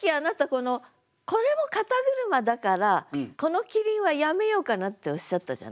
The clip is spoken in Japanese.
このこれも「肩車」だからこの「キリン」はやめようかなっておっしゃったじゃない。